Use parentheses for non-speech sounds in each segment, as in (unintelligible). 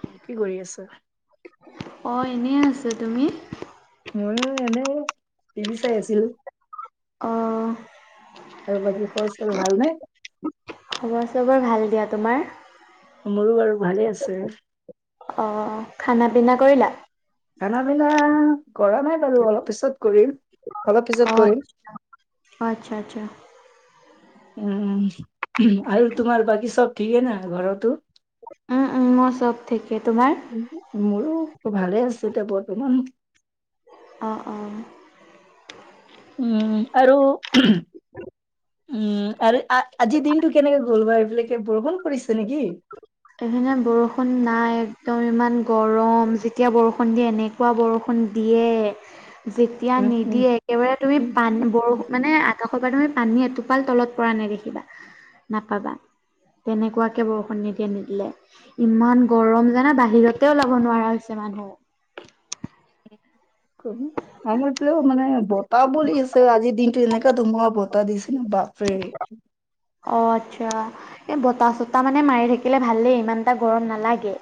উ কি কৰি আছ অ এনেই আছ তুমি ময়ো এনে টিভি চাই আছিলো অ ত বাকী খবৰ চবৰ ভালনে খবৰ চবৰ ভাল দিয়া তোমাৰ মোৰো বাৰু ভালে আছে অ খানা পিনা কৰিলা খানা মেলা কৰা নাই বাৰু অলপ পিছত কৰিম অলপ পিছত অ কৰিম আচ্ছা আচ্ছা উম আৰু তোমাৰ বাকী চব ঠিকেই না ঘৰতো উম উম মোৰ চব ঠিকেই তোমাৰ মোৰো ভালে আছে এতিয়া বৰ্তমান অঁ অঁ উম আৰু উম আৰু আজিৰ দিনটো কেনেকে গ'ল বা এইবিলাকে বৰষণ পৰিছে নেকি সখনে বৰষুণ নাই একদম ইমান ৰ গৰম যেতিয়া বৰষুণ দিয়ে এনেকুৱা বৰষুণ দিয়ে যেতিয়া নিদিয়ে একেবাৰে তুমি পান বৰষুণ মানে আকাশৰ পৰা নহয় পানী এটোপাল তলত পৰা নেদেখিবা নাপাবা তেনেকুৱাকে বৰষুণ নিদিয়া নিদ ইমান গৰম জানা বাহিৰতে ওলাব নোৱাৰা হৈছে মানুহ উ আমাৰও মানে বতাহ বুলি আছে আজিৰ দিনটো এনেককাে ধুমুহা বতাহ দিছে ন বাপ ফ্ৰে অ আচ্ছা এই বতাহ চতাহ মানে মাৰি থাকিলে ভালেই ইমান এটা গৰম নালাগে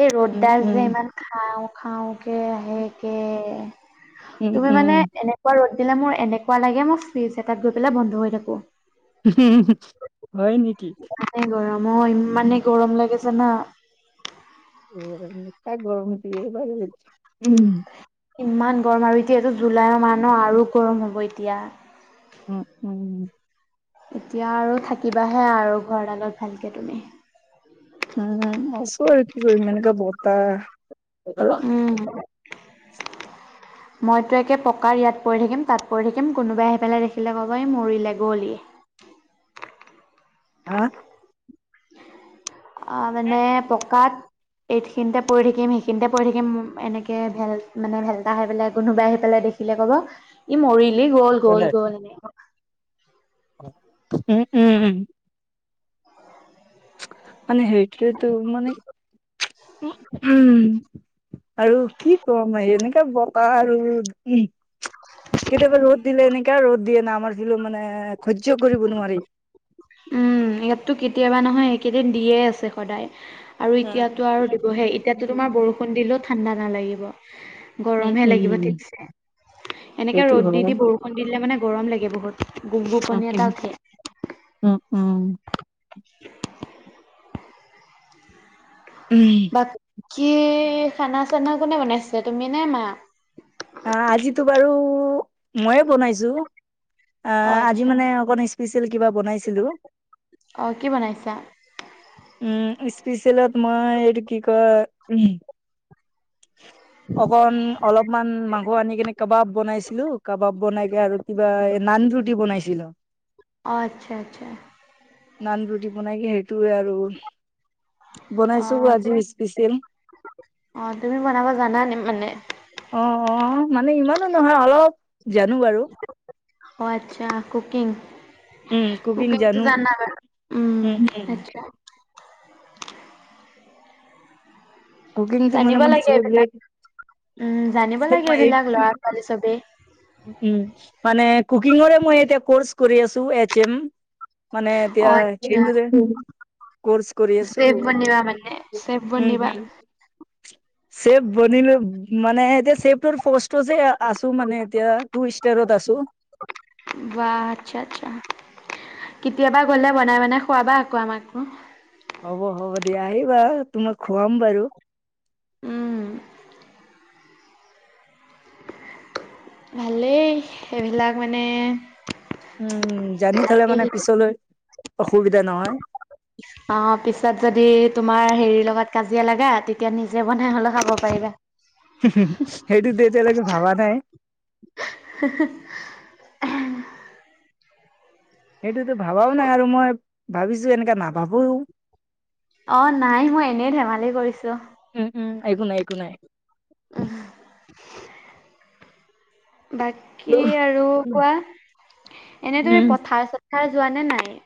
এই উম ৰ'দদা উম যে ইমান খাওঁ খাওঁ কে সে কে উম তুমি উম মানে এনেকুৱা ৰদ দিলে মোৰ এনেকুৱা লাগে মোক ফিজ এটাত গৈ পেলাই বন্ধ হৈ থাকো হয় নেকি মই ইমানে গৰম লাগিছে না মঠ গৰমতি উ ইমান গৰম আৰু এতিয়াতটো জুলাইৰ মাহ ন আৰু গৰম হ'ব এতিয়া উম উম এতিয়া আৰু থাকিবাহে আৰু ঘৰডালত ভালকে তুমি উম আছো আৰু কি কৰিম এনেকা বতাহ হয় (unintelligible) (unintelligible) মইতো একে পকাৰ ইয়াত পৰি থাকিম তাত পৰি থাকিম কোনোবাই আহি পেলাই দেখিলে ক'ব এই মৰিলে গ'লি (unintelligible) হা আহ মানে পকাত এইথখিনিতেপঢ়ঢ থাকিম সেইখিনিতে পঢি থাকিম এনেকে ভেল মানে ভেলতা খাই পেলাই কোনোবাই আহি পেলাই। দেখিলে ক'বা ই মৰিলি গ'ল গ'ল গ'ল এনে। উম-উম-উম, মানে সেইটোৱে তো মানে উম, আৰু কি কম এই এনেকে বতা আৰু। কেতিয়াবা ৰ'দ দিলে এনেকা ৰ'দ দিয়ে না আমাৰ ফো মানে সহ্য কৰিব নোৱাৰি। উম, ইয়াততো কেতিয়াবা নহয় সকেইদিন দিয়ে আছে সদায়। আৰু উম, উম, এতিয়াতো আৰু দিবহে এতিয়ো তোমাৰ বৰষুণ দিলেও ঠাণ্ডা নালাগিব গৰম। মে লাগিব ঠিকছে। এনেকে সেইটো ৰ'দ দি-দি হয়। বৰষুণ দিলে মানে গৰম লাগে বহুত গোপগোপনি এটা উঠে। উম-উম, (unintelligible) বাকী খানা চানা কোনে বনাইছে তুমি নে মা? আহ আজিতো বাৰু ময়ে বোনাইছো আ অ আজি আচ্ছা মানে স্পিচিয়েল কিবা বনাইছিলো। অ, কি বনাইছা? উম, স্পেচেলত মই এইটো কি কয়। (unintelligible) অকন অলপমান মাংস আনি কেনে কাবাব বনাইছিলো কাবাব বনাই কে আৰু কিবা। নান ৰুটি বনাইছিলো। আচ্ছা-আচ্ছা, নান ৰুটি বনাই কি সেইটোোৱে আৰু অ বনাইছো তুমি আজিও স্পেচিয়েল। অ' তুমি বনাবা জানানে মানে। অ-অ মানে ইমানো নহয় অলপ জানো বাৰু। অ, আচ্ছা কুকিং উম, কুকিং কুকিংটো জানো। যানা ব উম, কুকিংটো আচ্ছা', মানে জানিব মোৰ লাগে এইবিলাক ফেভৰেট উম জানিব লাগে মই এইবিলাক লৰা ছোৱালী চবেই। উম, মানে কুকিঙৰে মই এতিয়া কৰ্চ কৰি আছো এচ এম মানে অ এতিয়া সেই আচ্ছা কৰ্চ কৰি আছো। চেফ বনিবা মানে চেফ বনিবা উম, সেব বনিলো মানে। ন এতিয়াে সেবটোৰ পষ্টআছো মানে। এতিয়া তু ইষ্টষ্টাৰত আছো। বাহ আচ্ছা আচ্ছা কেতিয়াবা গ'লে বনাই বনাই খোৱাবা আকৌ আমাকো হ'ব-হ'ব দিয়া আহিবা তোমাক খুৱাম বাৰু উম, ভালেই সেইবিলাক মানে। উম, জানি থ'লে ভালকে মানে শিক পিছলৈ অসুবিধা নহয় অ' পিছত যদি তোমাৰ হেৰিৰ লগত কাজিয়া লগা তেতিয়া নিজে বনাই হলে খাব পাৰিবা। সেইটো দ যেলেকে ভাবা নাই। উ (unintelligible) সেইটোতো ভাবাও নাই আৰু মই ভাবিছো এনেককাে নাভাবোও। অ' নাই মই এনেই ধেমালি কৰিছো। উম, উম, এক নাই একো নাই। উ (unintelligible) বাকী আৰু কোৱা এনেদৰে উম, পথাৰ চ। খাই যোৱা নে নাই।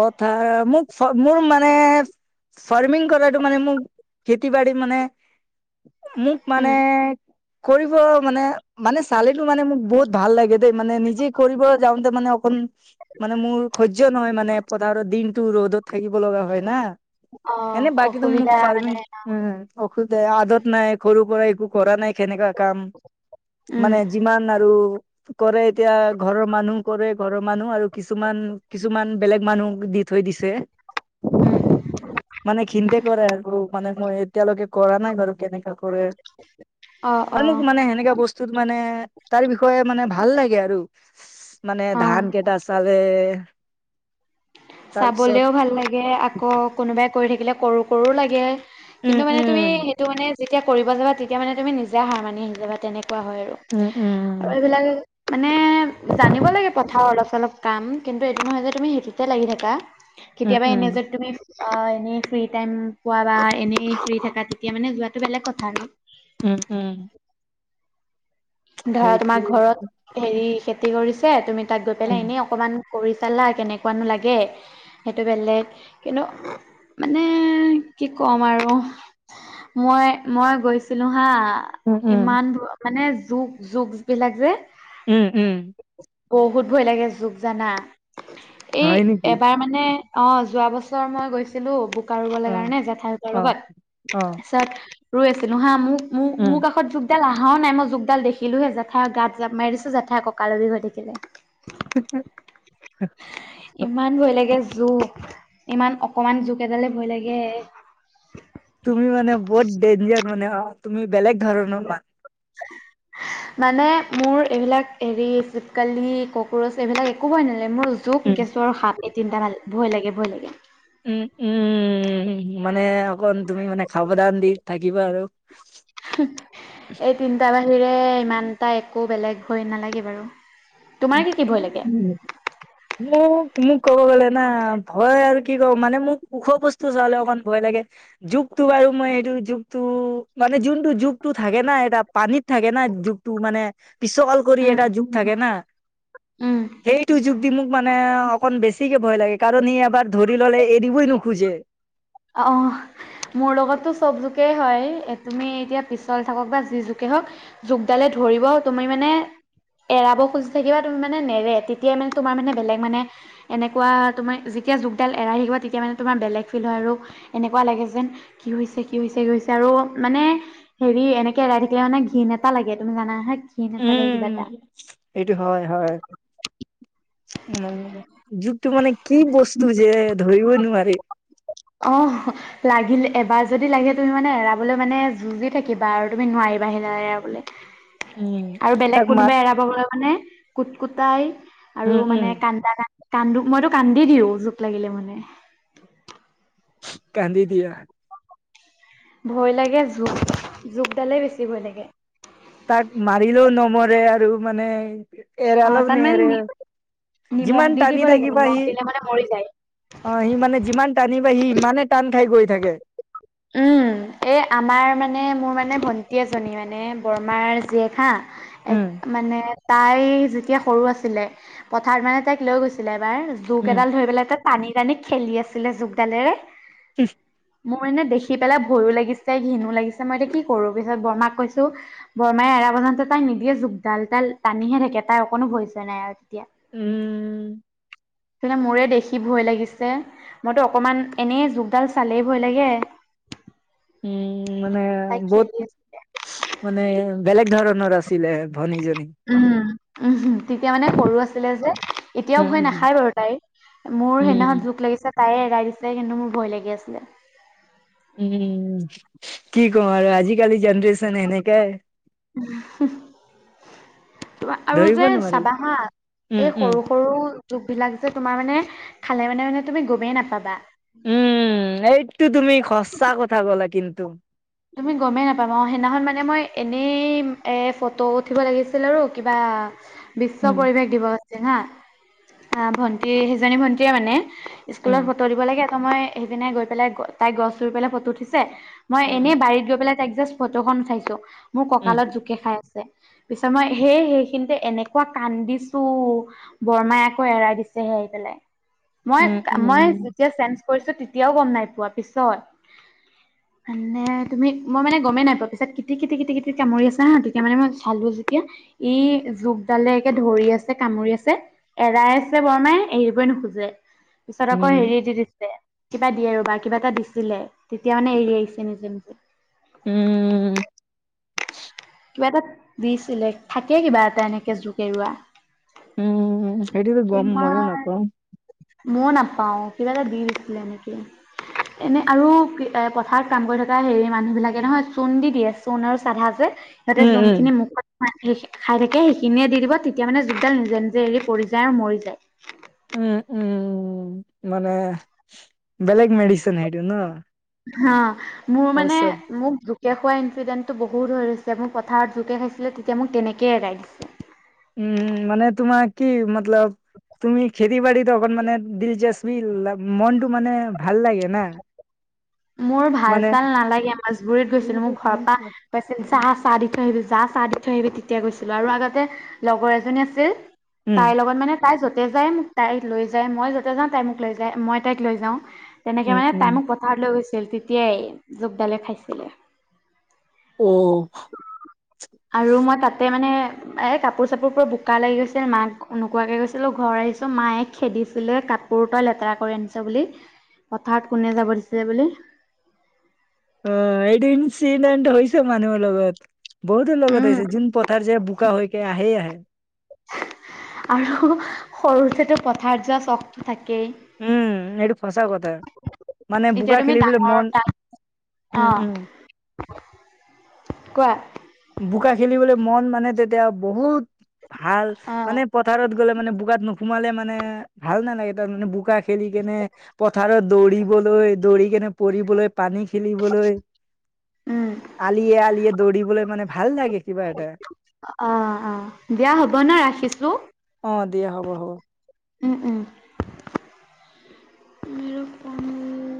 অথা মোক মোৰ মানে ফাৰ্মিং কৰাটো মানে মোকতি। খেতি বা় মানে মোক মানে উম, কৰিব মানে মানে চালীটো মানে মোক বহুত ভাল লাগে দেই মানে নিজে কৰিব যাওঁতে মানে অকণ মানে মোৰ নহয় মানে পথাৰৰ দিনতটো ৰ'দত থাকিব লগা হয় না অ', এনে বাকীটোো মোক অসুবিধা ফাৰ্মিং মানে ঔষুধ আদত নাই ঘৰু পৰা কৰা নাই কেনেকাা কাম উম, মানে যিমান আৰু কৰে এতিয়া ঘৰৰ মানুহ কৰে ঘৰৰ মানুহ আৰু কিছুমান কিছুমান বেলেগ মানুহ দি থৈ দিছে উম, মানে খিন্তে কৰে আৰু মানে মই এতিয়ালৈকে কৰা নাই বাৰু কেনেকাা কৰে অ', মন অ', মানে সেনেককাা বস্তুত মানে তাৰ বিষয়ে মানে ভাল লাগে আৰু মানে অ', ধান কেইটা চালে তাৰপিছত চাবলেও ভাল লাগে আকৌ কোনোবাই কৰি থাকিলে কৰো কৰো লাগে উম কিন্তু মানে তুমি উম সেইটো মানে যেতিয়া কৰিব যাবা তেতিয়া মানে তুমি নিজে হাৰ মানি আহি যাবা তেনেকে হয় আৰু উম আৰু উম এইবিলাক মানে জানিব লাগে পথা অলপ অলপ কাম কিন্তু এইটো নহয় যে তুমি সেইটোতে লাগি থাকা উম কেতিয়াবা এনে উম যে তুমি অ এনেই ফ্ৰী টাইম পোৱা বা এনেই ফ্ৰী থাককা তেতিয়া মানে যোৱাটো বেলেগ কথা নাই উম উম ধৰা সেইটো তোমাৰ ঘৰত হেৰি খেতি কৰিছে তুমি তাক গৈ পেলাই উম এনেই অকমান কৰি চালা কেনেকুৱানো লাগে সেইটো বেলেগ কিন্তু মানে কি ক'ম আৰু মই- মই গৈছিলো হা। উম উম ইমান মানে জোক- জোক বিলাক যে উম- উম। বহুত ভয় লাগে, জোক জানা এই হয় নেকি এবাৰ মানে অ', যোৱা বছৰ মই গৈছিলো বু ৰুবলে অ কাৰণে জেঠাইহতৰ অ লগত অ পিছত ৰৈ আছিলো হা মোক মোৰ- মোৰ উম কাষত জোকদাল অহাও নাই মই জো দাল দেখিলোহে জেঠাইৰ গাত জাপ মাৰিছো জেঠাই ককালৰ বিষ হৈ থাকিলে। (unintelligible) ৰো ইমান অকমান জোক এডালে ভয় লাগে। তুমি মানে বহুত দেঞ্জাৰ মানে অ' তুমি বেলেগ ধৰণৰ (unintelligible) (inaudible) মানে মোৰ এইবিলাক এৰি চিপকালি কক্ৰচ এইবিলাক একো ভয় নালা মোৰ জোক উম কেঁচু আৰু সাপ এই তিনিটা ভাল ভয় লাগে-ভয় লাগে। উম-উম উ মানে কণ তুমি মানে সাৱধান দি থাকিবা আৰু। বিৰে ইমান এটা একো বেলেগ ভয় নালাগে বাৰু। তোমাৰ কি কি ভয় লাগে (unintelligible) না ভয় আৰু কি কওঁ মানে মোক ওখ বস্তু চাবলে অকণ ভয় লাগে জোক তো বাৰু মই এইটো জোকটো মানে যোনটো জোকটো থাকে ন এটা পানীত থাকে না জোকটো মানে পিছকাল কৰি উম এটা জোক থাকে না, উম সেইটো জোক মোক মানে অকন বেছিকে ভয় লাগে কাৰণ ই এবাৰ ধৰি ললে এৰিবই নোখোজে। অ', মোৰ লগতো চব জুকে হয় তুমি এতিয়া পিছল থাকক বা যি যোকে (unintelligible) জোকডালে ধৰিব তুমি মানে এৰাব খুজি থাকিবা তুমি মানে নেৰে তেতিয়াই মানে তোমাৰ মানে বেলেগ মানে এনেকুৱা তোমাৰ তেতিয়া জোকডাল এৰাই আহিব তেতিয়া মানে তোমাৰ বেলেগ ফিল হয় আৰু এনেকুৱা লাগে যেন কি হৈছে-কি হৈছে-কি হৈছে আৰু মানে হেৰি এনেকে এৰাই থাকিলে মানে ঘিন এটা লাগে তুমি জানা হে উম, এইটো হয়- হয়। উম, জোকটো মানে কি বস্তু যে ধৰিবই নোৱাৰি। অ', লাগিল এবাৰ যদি লাগে তুমি মানে এৰাবলৈ মানে যুঁজি থাকিবা আৰু তুমি নোৱাৰ বা সেইডাল এৰাবলে। উম। আৰু বেলেগ তাক মাত কোনোবাই এৰাব গ'লে মানে কুট কুটাই উম, আৰু উম, মানে কান্দা কান্ কান্দো মইতো কান্দি দিওঁ জোক লাগিলে মানে। কান্দি দিয়া। ভয় লাগে জোক-জোক দালেই বেছি ভয় লাগে। তাক মাৰিলেও নমৰে আৰু মানে অ এৰালেও তাত মানে নেৰে। নি নিমখ যিমান দি টানি দিব লাগে- থাকিবা নিমখ সি দিলে মানে মৰি যায়। অ', সি মানে যিমান টানিবা সি ইিমানে টান খাই গৈ থাকে। উম, এই আমাৰ মানে মোৰ মানে মানে ভণ্টি এজনী মানে বৰমাৰ জীয়েক এক উম, মানে তাই যেতিয়া সৰু আছিলে পথাৰত মানে তাইক লৈ গৈছিলে এবাৰ জোক উম। এডাল ধৰি পেলাই ত পানী নি খেলি আছিলে জোকডালেৰে মোৰ এনে দেখি পেলাই ভয়ো লাগিছ ছে ঘিনো লাগিছে মই এতিয়া কি কৰো পিছত বৰমাক কৈছো বৰমাই এৰা বজাতে তাই নিদিয়ে জোকডাল তাই টানিহে থাকে তাৰ অকণো ভয় ছয় নাই আৰু তেতিয়া। উম। (unintelligible) মোৰে দেখি ভয় লাগিছে মইতো অকমান এনেই জোকডাল চালেই ভয় লাগে। (inaudible) উম উ মানে তাই বহুত খেলি আছিলে মানে বেলেগ ধৰণৰ আছিলে ভনী জন উম উম তেতিয়া মানে সৰু আছিলে যে এতিয়াও ভয় উম, নাখায় বাৰু তাইৰ মোৰ উম। সেইদিনাখনত জোক লাগিছে তায়ে এৰাই দিছিলে কিন্তু মোৰ ভয় লাগি আছিলে উম কি কওঁ আৰু আজিকালি জেনেৰে্যন এনেকে উ তোম আৰু ধৰিব যে নোৱাৰি। চাবা হা উম, এই উম। সৰু সৰু যুগ বিলাক যে তোমাৰ মানে খালে মানে মানে তুমি গমেই নাপাবা উম এইটো তুমি খচা কথা ক'া কিন্তু তুমি গমেই নাপাম অ সেইদিনাখন মানে মই এনেই এ ফটো উঠিব লাগিছিল আৰু কিবা বিশ্ব উম, পৰিৱেশ দিৱস আছে হা আহ ভন্টি সেইজনী ভন্টিয় মানে উম, স্কুলত ফটো দিব লাগে ত মই সেইপিনে গৈ পেলাই তাই গছ ৰুই পেলাই ফটো উঠিছে মই উম, এনেই বাৰীত গৈ পেলাই তাইক জাষ্ট ফটোখন উঠাইছো মোৰ উম, কঁকালত জোকে খাই আছে পিছত মই সেই সেইখিনিতে এনেকুৱা কান্দিছো বৰমাই আকৌ এৰাই দিছেহে ম উম, মই উম, যে চে কৰিছো তেতিয়াও গম নাই কোৱা পিছত মানে তুমি মই মানে গমেই নাই পোৱা পিছত কেটি কেতিি কেটি কেটি কামৰি আা হা তেতিয়া মানে মই চালো যেতিয়া ই জুগডালে একে ধৰি আছে কামুৰি আছে এৰাই আছে বৰমাই এৰিবই নোখোজে পিছত আকৌ হেৰি দি দিছে কিবা দিয়ে আৰু বা কিবা এটা দিছিলে তেতিয়া মানে এৰি আহিছে নিজে নিজে উম, উম, কিবা এটা দিছিলে থাকে কিবা এটা এনেকে জোক এৰুৱা উম, সেইটোতো গম ময়ো নাপাওঁ মৌনাপাওঁ কিব দীভিছিলিল ননেকি এনে আৰু পথাৰত কাম কৰি থকা হেৰি মানুহবিলাকে নহয় চূণ দি দিয়ে চূণ আৰু চাধা যে ইতে উম, উম, যোনখিনি মুখত খাই থাকে সেইখিনিয়ে দি দিব তেতিয়া মানে যতডাল নিজে নিজে এৰি পৰি যাৰ মৰি যায় উম উম উ মানে বেলেগ মেডচন সেই ন হ মোৰ মানে ঔষধ মোক দু এতিয়া খোৱা ইনক্ৰিডেণ্টটো বহুত হৈ হৈছে মোৰ পথাৰত জোকে খাইছিলে তেতিয়া মোক তেনেকে এৰাই দিছে উম মানে তোমাৰ কি মতলব তুমি খেতি বা়ী ত মানে দিলচাস্পি মনটো মানে ভাল লাগে ন মোৰ ভাল চাল নালাগে মাজবুৰিীত উম, গৈছিলো মোৰ ঘৰৰ পৰা গাইছিল চাহ চাহ দি থৈ আহিবিছিল যা চাহ দি থৈ আহিবি তেতিয়া গৈছিলো আৰু আগতে লগৰ এজনী আছিল উম, তাইৰ লগত মানে তাই যতে যাই মোক তাইক লৈ যায় মই য'তে যাওঁ তাই মোক লৈ যায় মই তাইক লৈ যাওঁ তেনেকে মানে উম, তাই মোক পথাৰত লৈ গৈছিল তেতিয়াই জোকডালে খাইছিলে অ'। আৰু মই তাতে মানে এ কাপোৰ চাপোৰ পুৰা বোকা লাগি গৈছিল মাক নকুৱাকে গৈছিলো ঘৰ আহিছো মায়ে খেদিছিলে কাপোৰ তই লেতেৰা কৰি আনিছ বুলি পথাৰত কোনে যাব দিছিলে বুলি অ এইটো ইনসিডেণ্ট হৈছে মানুহৰ লগত বহুতো লগত উম আহিছে যোন পথাৰ যে বোকা হৈকে আহেই আহে আৰু সৰুতেতো পথাৰ যোৱা চখতটো থাকে উম এইটোো ফঁচা কথা মানে বোকা খেলি বলে মন উম, আহ উম। কোৱা বোকা খেলিবলৈ মন মানে তেতিয়া বহুত ভাল অ' মানে পথাৰত গ'লে মানে বগাত নোসোমালে মানে মানে ভাল নালাগে তাৰমানানে বোকা খেলি কেনে পথাৰত দৌৰিবলৈ দৌৰি কেনে পৰিবলৈ পানী খেলিবলৈ উম, আলিয়ে আলিয়ে দৌৰিবলৈ মানে ভাল লাগে কিবা এটা অ অ দিয়া হ'ব ন ৰাখিছো অ', দিয়া হ'ব হ'ব ম প